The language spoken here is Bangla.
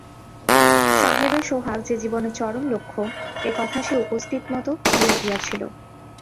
সাহেবের সোহাগ যে জীবনের চরম লক্ষ্য, এ কথা সে উপস্থিতমতো ভুলিয়া গিয়াছিল।